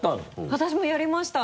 私もやりました。